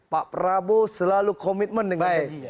pak prabowo selalu komitmen dengan janjinya